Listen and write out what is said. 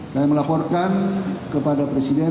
saya melaporkan kepada presiden